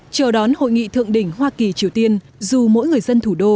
chờ đón hội nghị thượng đỉnh hoa kỳ triều tiên dù mỗi người dân thủ đô